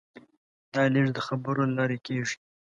دا لېږد د خبرو له لارې کېږي.